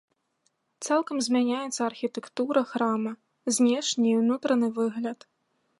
Цалкам змяняецца архітэктура храма, знешні і ўнутраны выгляд.